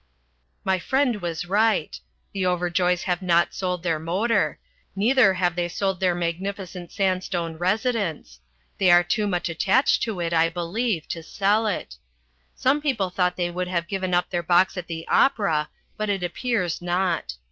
My friend was right. The Overjoys have not sold their motor. Neither have they sold their magnificent sandstone residence. They are too much attached to it, I believe, to sell it. Some people thought they would have given up their box at the opera. But it appears not.